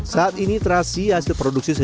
saat ini terasi hasil produksi